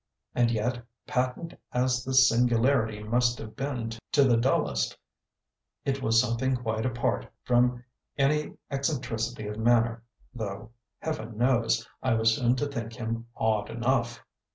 And yet, patent as this singularity must have been to the dullest, it was something quite apart from any eccentricity of manner, though, heaven knows, I was soon to think him odd enough.